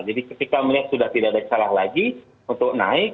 jadi ketika melihat sudah tidak ada celah lagi untuk naik